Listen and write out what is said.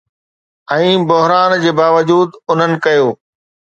۽ بحران جي باوجود، انهن ڪيو